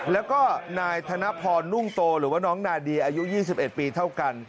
แล้วก็นายธนพรนุ่งโตหรือว่าน้องนาเดียอายุ๒๑ปีเท่ากัน